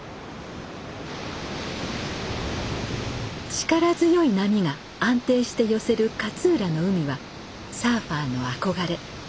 力強い波が安定して寄せる勝浦の海はサーファーの憧れ。